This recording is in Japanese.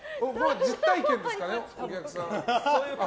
実体験ですかね、お客さん。